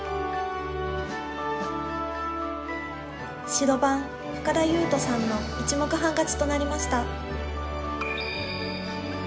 白番深田裕仁さんの１目半勝ちとなりました。